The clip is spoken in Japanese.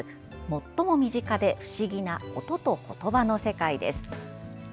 最も身近で不思議な音と言葉の世界です。